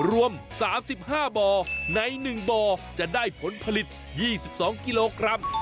รวม๓๕บ่อใน๑บ่อจะได้ผลผลิต๒๒กิโลกรัม